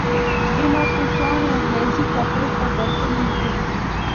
اناں تو سہنڑے انگریزی کپڑے تے برتن ملدے ہن۔